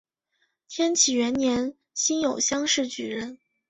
天启元年辛酉乡试举人。